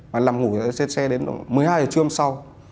mà nằm ngủ trên xe đến một mươi hai h trưa hôm sau